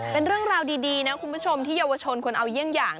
เป็นเรื่องราวดีนะคุณผู้ชมที่เยาวชนควรเอาเยี่ยงอย่าง